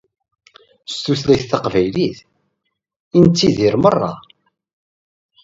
S tutlayt taqbaylit i nettdiri meṛṛa.